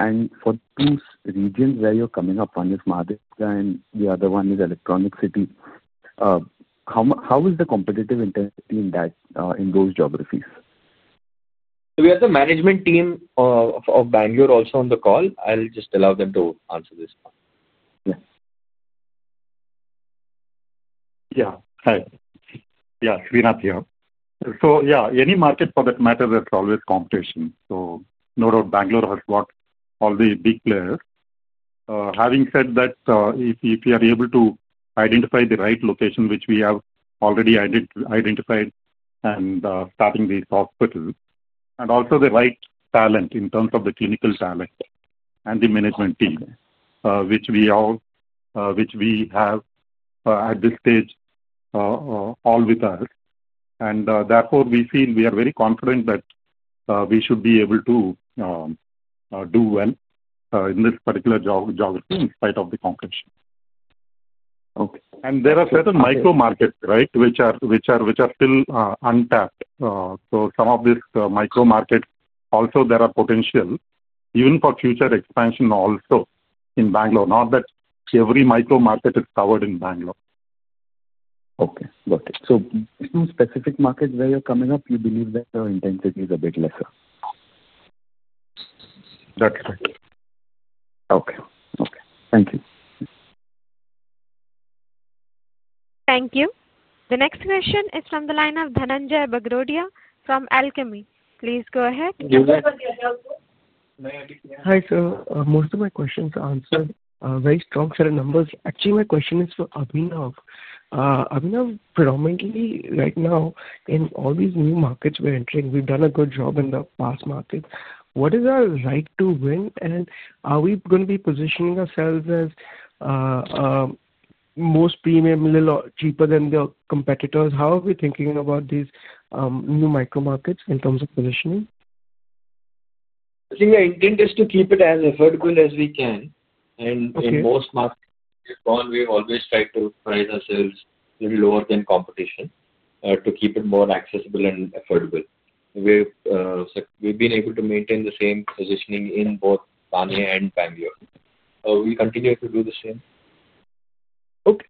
For two regions where you're coming up, one is Mahadevapura and the other one is Electronic City. How is the competitive intensity in those geographies? We have the management team of Bangalore also on the call. I'll just allow them to answer this one. Yes. Yeah. Hi. Yeah. Sreenath here. Yeah, any market for that matter, there's always competition. No doubt Bangalore has got all the big players. Having said that, if you are able to identify the right location, which we have already identified and starting these hospitals, and also the right talent in terms of the clinical talent and the management team, which we have at this stage all with us. Therefore, we feel we are very confident that we should be able to do well in this particular geography in spite of the competition. Okay. There are certain micro markets, right, which are still untapped. Some of these micro markets, also there are potential even for future expansion also in Bangalore. Not that every micro market is covered in Bangalore. Okay. Got it. Two specific markets where you're coming up, you believe that your intensity is a bit lesser. That's right. Okay. Okay. Thank you. Thank you. The next question is from the line of Dhananjay Bagrodia from Alchemy. Please go ahead. Hi. Most of my questions are answered. Very strong for the numbers. Actually, my question is for Abhinay. Abhinay, predominantly right now, in all these new markets we're entering, we've done a good job in the past market. What is our right to win? Are we going to be positioning ourselves as most premium or cheaper than the competitors? How are we thinking about these new micro markets in terms of positioning? I think our intent is to keep it as affordable as we can. In most markets, we've always tried to price ourselves lower than competition to keep it more accessible and affordable. We've been able to maintain the same positioning in both Thane and Bangalore. We'll continue to do the same. Okay.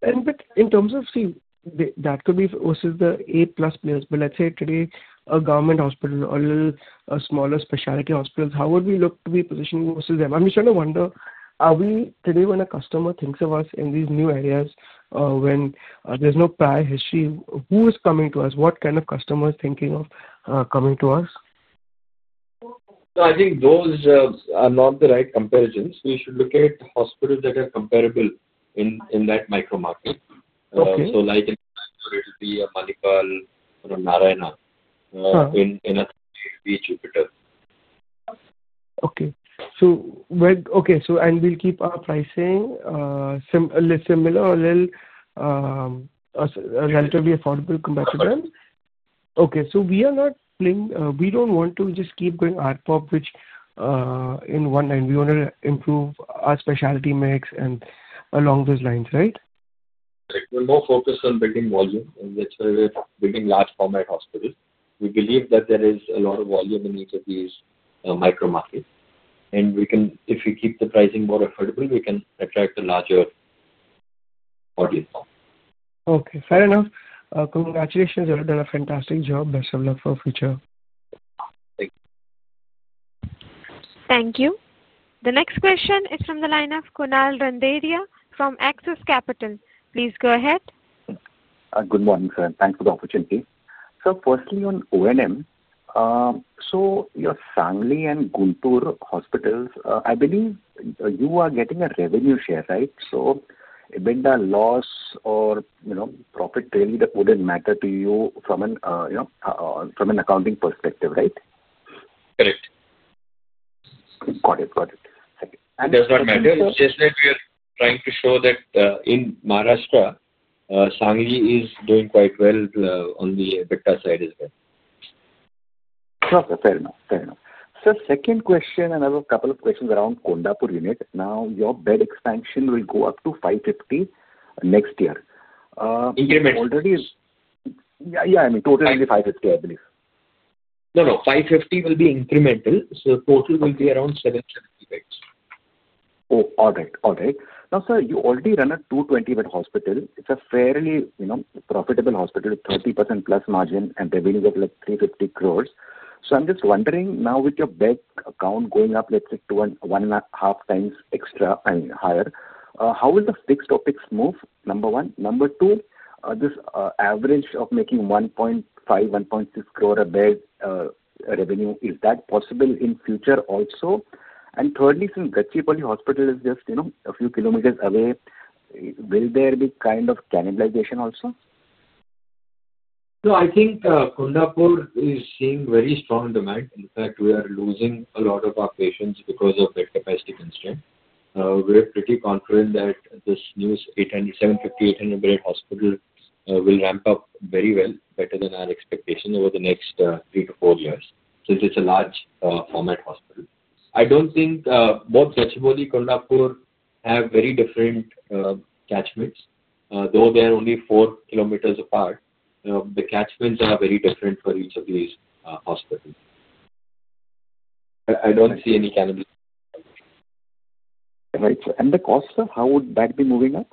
In terms of, see, that could be versus the A-plus players. Let's say today, a government hospital or a smaller specialty hospital, how would we look to be positioning versus them? I'm just trying to wonder, today, when a customer thinks of us in these new areas, when there's no prior history, who is coming to us? What kind of customer is thinking of coming to us? I think those are not the right comparisons. We should look at hospitals that are comparable in that micro market. Like in Bangalore, it will be a Manipal, a Narayana, an Aster, Jupiter. Okay. Okay. We'll keep our pricing similar or relatively affordable compared to them? Yes. Okay. So we are not playing, we do not want to just keep going ARPOB, which in one end, we want to improve our specialty mix and along those lines, right? Directly more focused on building volume. That is why we're building large-format hospitals. We believe that there is a lot of volume in each of these micro markets. If we keep the pricing more affordable, we can attract a larger audience. Okay. Fair enough. Congratulations. You have done a fantastic job. Best of luck for future. Thank you. Thank you. The next question is from the line of Kunal Randeria from Axis Capital. Please go ahead. Good morning, sir. Thanks for the opportunity. Firstly, on ONM, your Sangli and Guntur hospitals, I believe you are getting a revenue share, right? EBITDA loss or profit really would not matter to you from an accounting perspective, right? Correct. Got it. Got it. Does not matter. It's just that we are trying to show that in Maharashtra, Sangli is doing quite well on the EBITDA side as well. Sure. Fair enough. Fair enough. Second question, and I have a couple of questions around Kondapur unit. Now, your bed expansion will go up to 550 next year. Incremental. Already is yeah, I mean, totally only 550, I believe. No, no. 550 will be incremental. So total will be around 770 beds. Oh, all right. All right. Now, sir, you already run a 220-bed hospital. It's a fairly profitable hospital with 30%+ margin and revenue of 350 crore. I'm just wondering, now with your bed count going up, let's say, one and a half times extra, I mean, higher, how will the fixed topics move? Number one. Number two, this average of making 1.5-1.6 crore a bed revenue, is that possible in future also? Thirdly, since Gachibowli Hospital is just a few kilometers away, will there be kind of cannibalization also? No, I think Kundapur is seeing very strong demand. In fact, we are losing a lot of our patients because of bed capacity constraint. We're pretty confident that this new 750-800 bed hospital will ramp up very well, better than our expectation over the next 3-4 years since it's a large-format hospital. I don't think both Gachibowli and Kundapur have very different catchments. Though they are only 4 km apart, the catchments are very different for each of these hospitals. I don't see any cannibalization. Right. The cost, sir, how would that be moving up?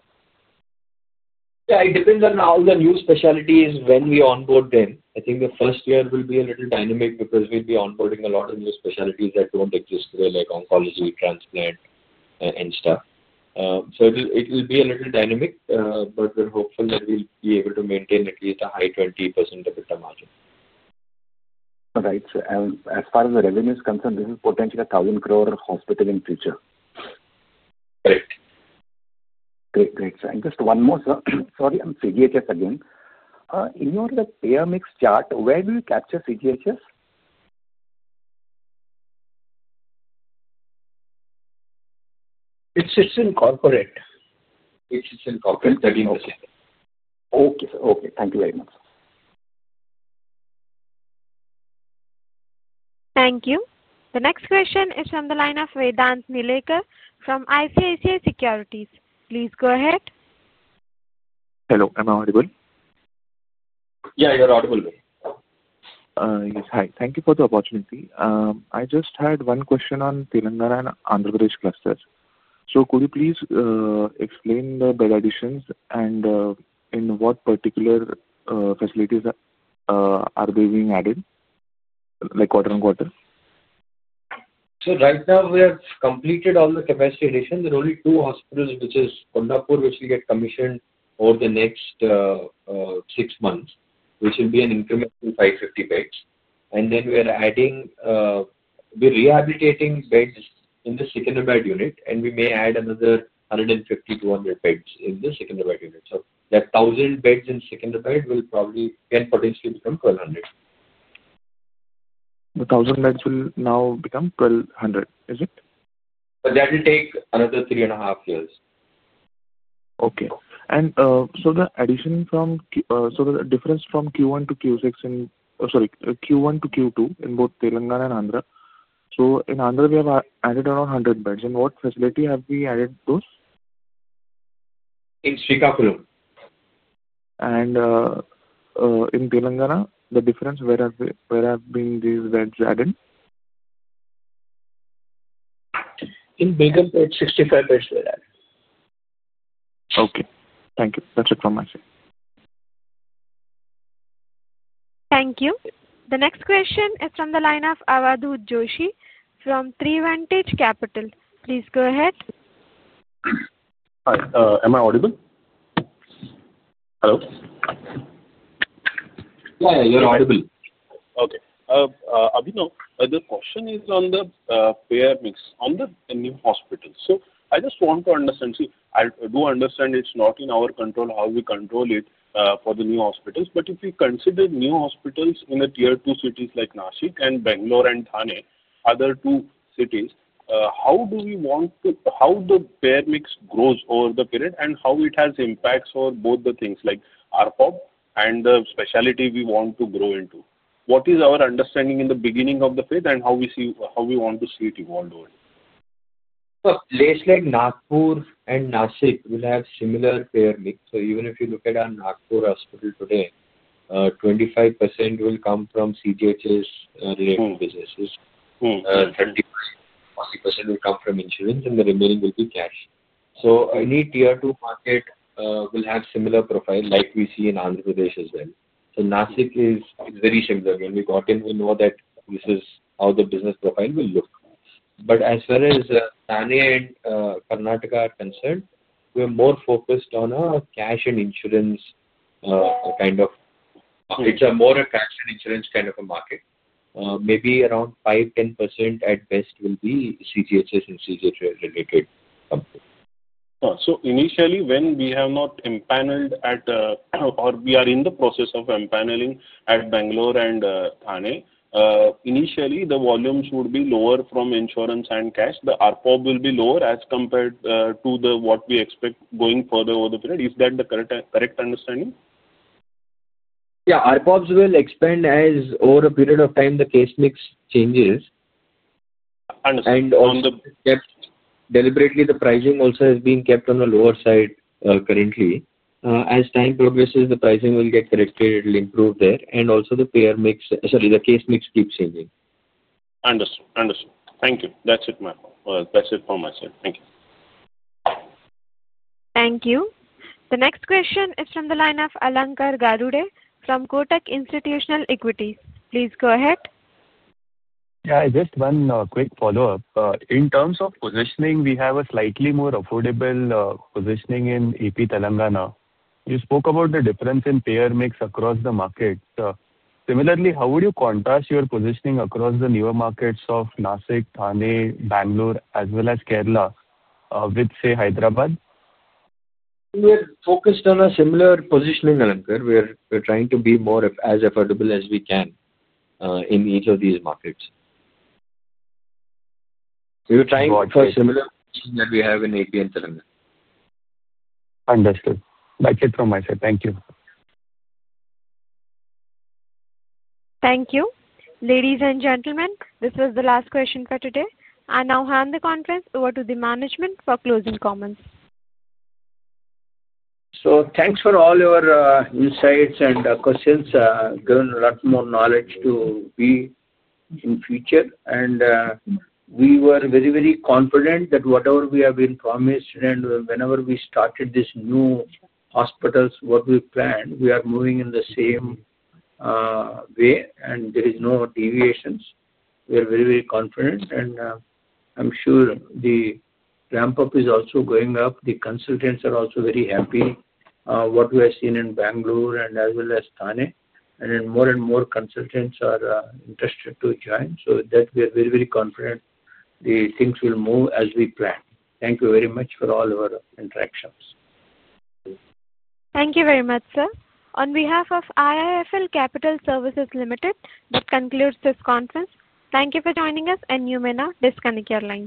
Yeah. It depends on how the new specialty is when we onboard them. I think the first year will be a little dynamic because we'll be onboarding a lot of new specialties that do not exist today, like oncology, transplant, and stuff. It will be a little dynamic, but we're hopeful that we'll be able to maintain at least a high 20% EBITDA margin. All right. As far as the revenue is concerned, this is potentially a 1,000 crore hospital in future. Correct. Great. Great. Just one more, sir. Sorry, I'm CGHS again. In your payer mix chart, where do you capture CGHS? It's incorporate. 13%. Okay. Okay. Thank you very much. Thank you. The next question is from the line of Vedant Nilekar from ICICI Securities. Please go ahead. Hello. Am I audible? Yeah. You're audible, Vedant. Yes. Hi. Thank you for the opportunity. I just had one question on Telangana and Andhra Pradesh clusters. Could you please explain the bed additions and in what particular facilities are they being added, like quarter-on-quarter? Right now, we have completed all the capacity additions. There are only two hospitals, which is Kundapur, which will get commissioned over the next six months, which will be an incremental 550 beds. We are adding, we are rehabilitating beds in the secondary bed unit, and we may add another 150-200 beds in the secondary bed unit. That 1,000 beds in secondary bed will probably can potentially become 1,200. The 1,000 beds will now become 1,200, is it? That will take another 3.5 years. Okay. The addition from, so the difference from Q1 to Q2 in both Telangana and Andhra. In Andhra, we have added around 100 beds. In what facility have we added those? In Srikakulam. In Telangana, the difference, where have been these beds added? In Bengaluru, 65 beds were added. Okay. Thank you. That's it from my side. Thank you. The next question is from the line of Avadhoot Joshi from Trivantage Capital. Please go ahead. Am I audible? Hello? Yeah. Yeah. You're audible. Okay. Abhinay, the question is on the payer mix on the new hospitals. I just want to understand. See, I do understand it's not in our control how we control it for the new hospitals. If we consider new hospitals in the tier two cities like Nashik and Bangalore and Thane, other two cities, how do we want to, how the payer mix grows over the period and how it has impacts over both the things like ARPOB and the specialty we want to grow into? What is our understanding in the beginning of the phase and how we see, how we want to see it evolve over? Places like Nagpur and Nashik will have similar payer mix. Even if you look at our Nagpur hospital today, 25% will come from CGHS-related businesses. 30%-40% will come from insurance, and the remaining will be cash. Any tier two market will have similar profile like we see in Andhra Pradesh as well. Nashik is very similar. When we got in, we know that this is how the business profile will look. As far as Thane and Karnataka are concerned, we're more focused on a cash and insurance kind of market. It's more a cash and insurance kind of a market. Maybe around 5%-10% at best will be CGHS and CGHS-related companies. Initially, when we have not empaneled at or we are in the process of empaneling at Bangalore and Thane, initially, the volumes would be lower from insurance and cash. The ARPOB will be lower as compared to what we expect going further over the period. Is that the correct understanding? Yeah. ARPOB will expand as over a period of time, the case mix changes. Understood. On the — Deliberately, the pricing also has been kept on the lower side currently. As time progresses, the pricing will get corrected. It will improve there. Also, the case mix keeps changing. Understood. Understood. Thank you. That's it, ma'am. That's it from my side. Thank you. Thank you. The next question is from the line of Alankar Garude from Kotak Institutional Equities. Please go ahead. Yeah. Just one quick follow-up. In terms of positioning, we have a slightly more affordable positioning in AP Telangana. You spoke about the difference in payer mix across the markets. Similarly, how would you contrast your positioning across the newer markets of Nashik, Thane, Bangalore, as well as Kerala with, say, Hyderabad? We're focused on a similar positioning, Alankar. We're trying to be as affordable as we can in each of these markets. We're trying to look for similar positions that we have in Andhra Pradesh and Telangana. Understood. That's it from my side. Thank you. Thank you. Ladies and gentlemen, this was the last question for today. I now hand the conference over to the management for closing comments. Thank you for all your insights and questions. Given a lot more knowledge to be in future. We were very, very confident that whatever we have been promised, and whenever we started these new hospitals, what we planned, we are moving in the same way, and there are no deviations. We are very, very confident. I am sure the ramp-up is also going up. The consultants are also very happy with what we have seen in Bangalore as well as Thane. More and more consultants are interested to join. We are very, very confident the things will move as we plan. Thank you very much for all your interactions. Thank you very much, sir. On behalf of IIFL Capital Services Limited, that concludes this conference. Thank you for joining us, and you may now disconnect your lines.